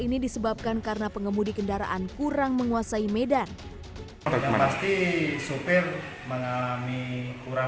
ini disebabkan karena pengemudi kendaraan kurang menguasai medan pasti sopir mengalami kurang